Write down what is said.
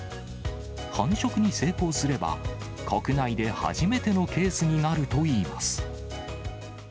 繁殖に成功すれば、国内で初めてのケースになるといいます。